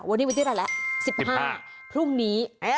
วันนี้วันที่ไหนละ๑๕พรุ่งนี้